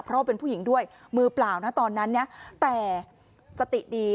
เพราะว่าเป็นผู้หญิงด้วยมือเปล่านะตอนนั้นนะแต่สติดี